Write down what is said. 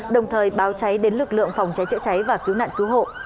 đồng thời báo cháy đến lực lượng phòng cháy chữa cháy và cứu nạn cứu hộ